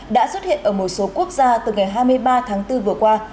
đã xuất hiện ở một số quốc gia từ ngày hai mươi ba tháng bốn vừa qua